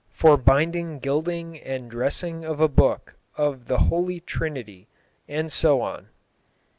for binding gilding and dressing of a booke of the The Holy Trinity xvjs.," and so on.